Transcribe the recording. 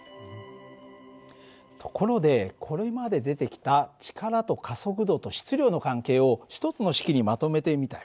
ところでこれまで出てきた力と加速度と質量の関係を１つの式にまとめてみたよ。